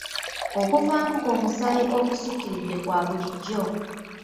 Okuvaamu omusaayi okussukkiridde kwa bulijjo.